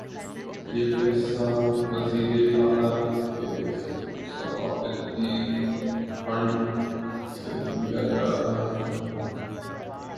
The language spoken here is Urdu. یہ پیسہ وزیر اعلی کے صوابدیدی فنڈ سے دیا جا رہا ہے۔